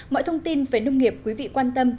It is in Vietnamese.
mọi thông tin về nông nghiệp quý vị quan tâm